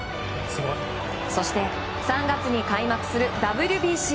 そして、３月に開幕するＷＢＣ。